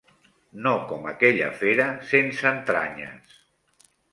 No com aquella fera sense entranyes.